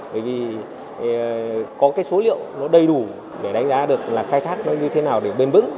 bởi vì có cái số liệu nó đầy đủ để đánh giá được là khai thác nó như thế nào để bền vững